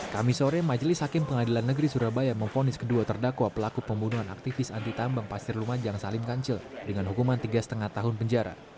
kami sore majelis hakim pengadilan negeri surabaya memfonis kedua terdakwa pelaku pembunuhan aktivis anti tambang pasir lumajang salim kancil dengan hukuman tiga lima tahun penjara